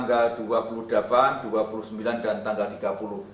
yang diperlukan dari semula yaitu tanggal dua puluh delapan dua puluh sembilan dan tiga puluh